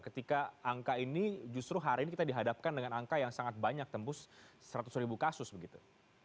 ketika angka ini justru hari ini kita dihadapkan dengan angka yang sangat banyak tembus seratus ribu kasus begitu